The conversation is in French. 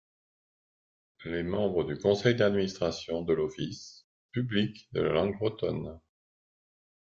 Les membres du conseil d’administration de l’office public de la langue bretonne.